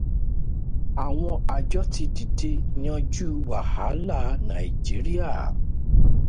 Àwọn àjọ ti dìde yanjú wàláhà Nàíjíríà.